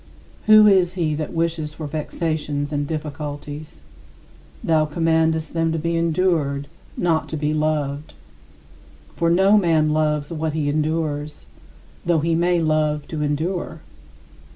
Who is he that wishes for vexations and difficulties? Thou commandest them to be endured, not to be loved. For no man loves what he endures, though he may love to endure.